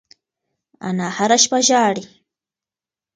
انا هره شپه ژاړي.